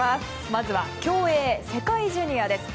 まずは競泳、世界ジュニアです。